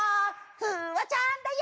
フワちゃんだよ！！